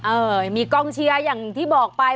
เออมีกองเชียร์อย่างที่บอกไป